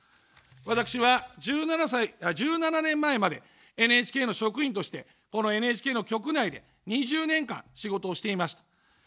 私は１７年前までＮＨＫの職員として、このＮＨＫの局内で２０年間仕事をしていました。